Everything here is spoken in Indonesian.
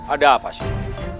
ada apa sih